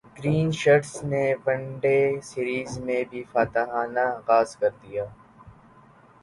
green shirts نے one day series میں بھی فاتحانہ غاز کر دیا